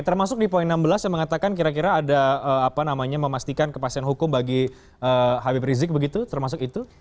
termasuk di poin enam belas yang mengatakan kira kira ada apa namanya memastikan kepastian hukum bagi habib rizik begitu termasuk itu